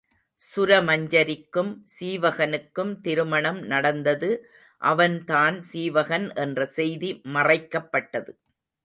சுரமஞ்சரிக்கும் சீவகனுக்கும் திருமணம் நடந்தது அவன்தான் சீவகன் என்ற செய்தி மறைக்கப்பட்டது.